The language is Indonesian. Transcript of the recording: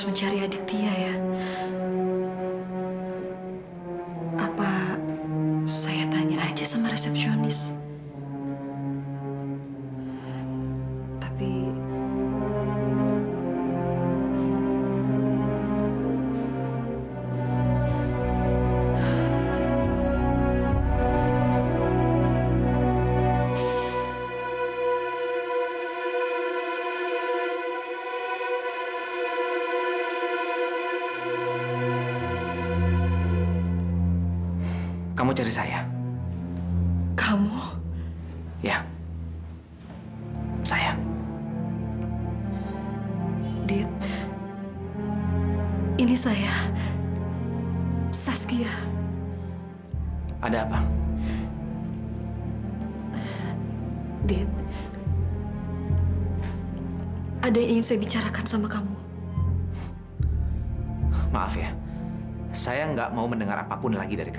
nanti kita berkongsi sejelas air terbaru lagi